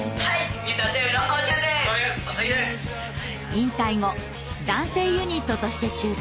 引退後男性ユニットとして集結。